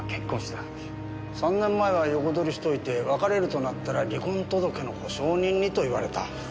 ３年前は横取りしといて別れるとなったら離婚届の保証人にと言われた。